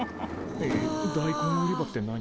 大根売り場って何？